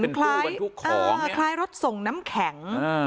เป็นตู้บรรทุกของเนี้ยคล้ายรถส่งน้ำแข็งอืม